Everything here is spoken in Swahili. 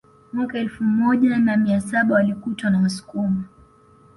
Mwaka elfu moja na mia saba walikutwa na Wasukuma